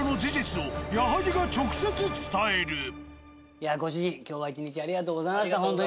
いやご主人今日は一日ありがとうございましたほんとに。